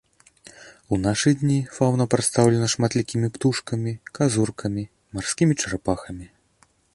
У нашы дні фаўна прадстаўлена шматлікімі птушкамі, казуркамі, марскімі чарапахамі.